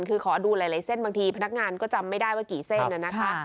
คือขอดูหลายเส้นบางทีพนักงานก็จำไม่ได้ว่ากี่เส้นนะคะ